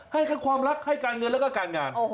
ให้ทั้งความรักให้การเงินแล้วก็การงาน